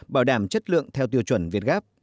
bảo đảm chất lượng theo tiêu chuẩn việt gáp